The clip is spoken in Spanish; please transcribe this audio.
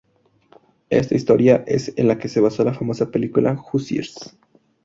Esta historia es el la que se basó la famosa película "Hoosiers".